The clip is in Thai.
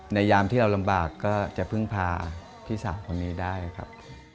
ยามที่เราลำบากก็จะพึ่งพาพี่สาวคนนี้ได้ครับ